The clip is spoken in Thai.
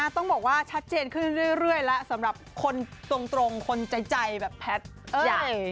ต้องบอกว่าชัดเจนขึ้นเรื่อยแล้วสำหรับคนตรงคนใจแบบแพทย์ใหญ่